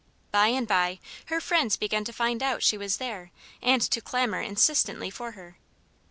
By and by her friends began to find out she was there and to clamour insistently for her.